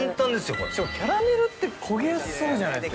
これ・キャラメルって焦げやすそうじゃないですか